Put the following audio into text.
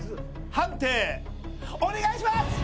判定お願いします！